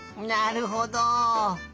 なるほど。